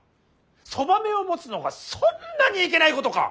そばめを持つのがそんなにいけないことか！